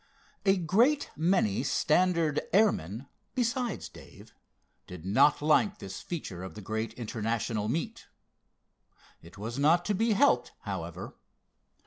A great many standard airmen besides Dave did not like this feature of the great International meet. It was not to be helped, however.